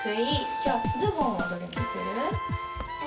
きょうズボンはどれにする？